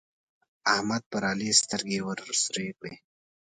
احمد پر علي سترګې ورسرې کړې.